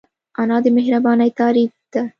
انا د مهربانۍ تعریف ده